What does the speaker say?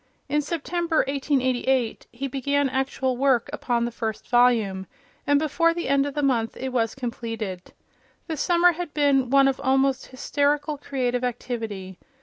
In September, 1888, he began actual work upon the first volume, and before the end of the month it was completed. The Summer had been one of almost hysterical creative activity.